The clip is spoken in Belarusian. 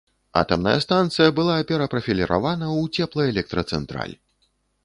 Атамная станцыя была перапрафіліравана ў цеплаэлектрацэнтраль.